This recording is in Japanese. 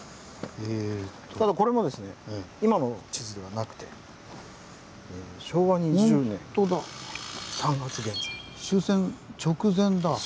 ただこれもですね今の地図ではなくて「昭和２０年３月現在」。ほんとだ終戦直前だ。